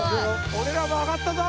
俺らも揚がったぞ！